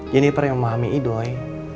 jennifer yang memahami idoi